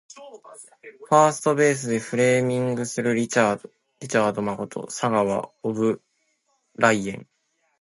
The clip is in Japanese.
ファーストベースでフレーミングするリチャード誠砂川オブライエン